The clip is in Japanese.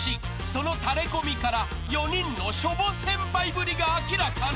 ［そのタレコミから４人のしょぼ先輩ぶりが明らかに］